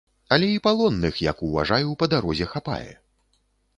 Але й палонных, як уважаю, па дарозе хапае.